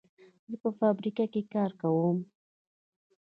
زه په فابریکه کې کار کوم.